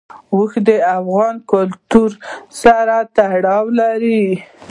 اوښ د افغان کلتور سره تړاو لري.